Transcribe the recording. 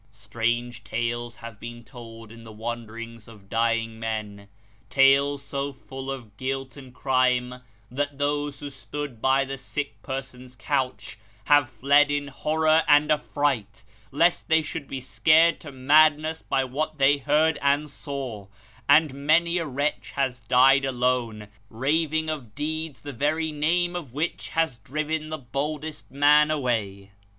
Strange tales have been told in the wanderings of dying men ; tales so full of guilt and crime, that those who stood by the sick person's couch have fled in horror and affright, lest they should be scared to madness by what they heard and saw ; and many a wretch has died alone, raving of deeds the very name of which has driven the boldest man away.